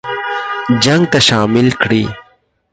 جنګ ته شامل کړي.